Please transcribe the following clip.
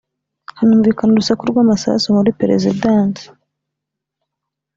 hanumvikana urusaku rw’amasasu muri perezidanse